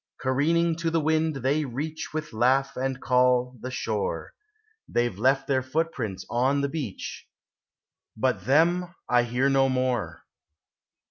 Careening to the wind, they reach, With laugh and call, the shore. They Ye left their footprints on the beach, But them I hear no more.